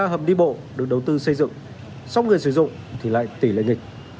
hai mươi ba hầm đi bộ được đầu tư xây dựng song người sử dụng thì lại tỉ lệ nghịch